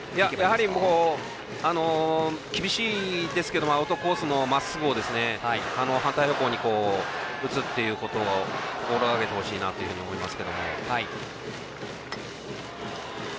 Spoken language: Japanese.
やはり厳しいですけどもアウトコースのまっすぐを反対方向に打つっていうことを心がけてほしいなと思います。